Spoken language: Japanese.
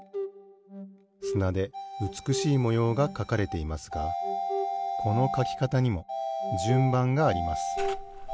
すなでうつくしいもようがかかれていますがこのかきかたにもじゅんばんがあります。